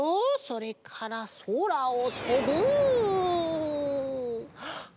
それからそらをとぶあっ！